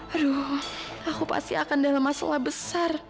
aduh aku pasti akan dalam masalah besar